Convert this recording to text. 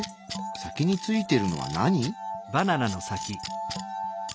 先についてるのは何？